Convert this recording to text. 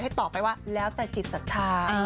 ตอบไปว่าแล้วแต่จิตศรัทธา